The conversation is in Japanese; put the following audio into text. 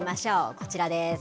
こちらです。